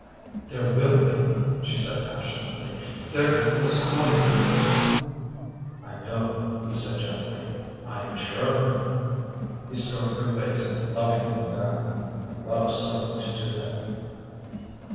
"There will be!" she said passionately. "There is going to be." "I know," he said gently. "I am sure of it." He stroked her face lovingly then. He loved so to do that.